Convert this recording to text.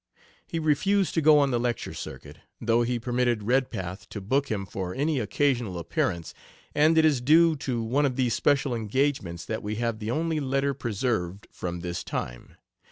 He refused to go on the lecture circuit, though he permitted Redpath to book him for any occasional appearance, and it is due to one of these special engagements that we have the only letter preserved from this time.